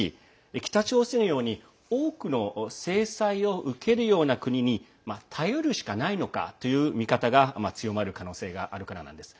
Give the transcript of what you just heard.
北朝鮮のように多くの制裁を受けるような国に頼るしかないのかという見方が強まる可能性があるからなんです。